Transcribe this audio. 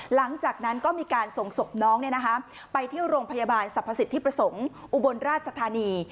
หลังจากนั้นก็มีการส่งศพน้องไปที่โรงพยาบาลสรรพสิทธิประสงค์อุบลราชธานี